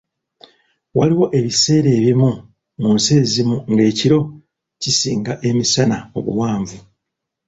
Waliwo ebiseera ebimu mu nsi ezimu nga ekiro kisinga emisana obuwanvu.